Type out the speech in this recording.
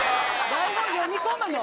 台本読み込むの？